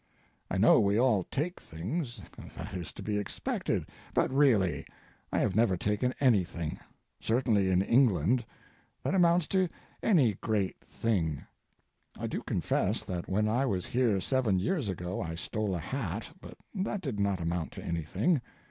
I know we all take things—that is to be expected—but really, I have never taken anything, certainly in England, that amounts to any great thing. I do confess that when I was here seven years ago I stole a hat, but that did not amount to anything.